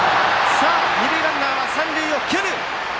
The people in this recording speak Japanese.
二塁ランナーは三塁をける！